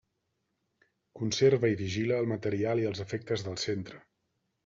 Conserva i vigila el material i els efectes del centre.